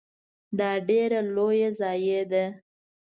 دا ډیره لوی ضایعه ده .